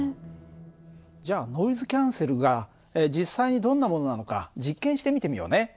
じゃあノイズキャンセルが実際にどんなものなのか実験して見てみようね。